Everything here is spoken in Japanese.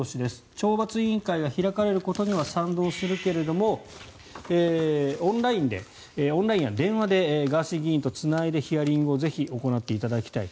懲罰委員会が開かれることには賛同するけれどもオンラインや電話でガーシー議員とつないでヒアリングをぜひ行っていただきたいと。